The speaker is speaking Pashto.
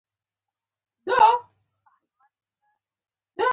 ګواکې ډېر غمګین شو.